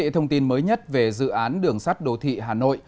thông tin mới nhất về dự án đường sắt đô thị hà nội